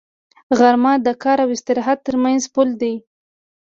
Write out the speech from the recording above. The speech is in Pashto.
غرمه د کار او استراحت تر منځ پل دی